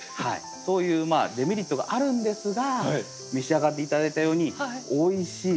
そういうデメリットがあるんですが召し上がって頂いたようにおいしい。